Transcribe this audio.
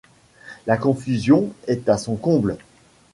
La confusion est à son comble.